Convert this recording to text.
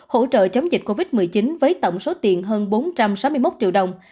hỗ trợ chống dịch covid một mươi chín với tổng số tiền hơn bốn trăm sáu mươi một triệu đồng